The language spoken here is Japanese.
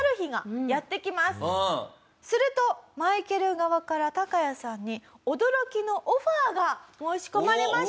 するとマイケル側からタカヤさんに驚きのオファーが申し込まれました。